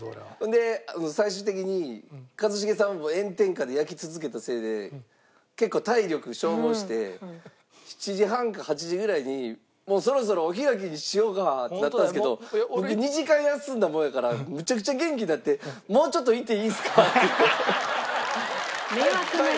で最終的に一茂さんは炎天下で焼き続けたせいで結構体力消耗して７時半か８時ぐらいに「もうそろそろお開きにしようか」ってなったんですけど僕２時間休んだもんやからむちゃくちゃ元気になって「もうちょっといていいっすか？」って言って。